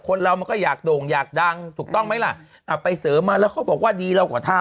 คนเรามันก็อยากโด่งอยากดังถูกต้องไหมล่ะอ่าไปเสริมมาแล้วเขาบอกว่าดีเรากว่าทำ